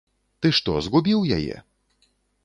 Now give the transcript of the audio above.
Ты што, згубіў яе?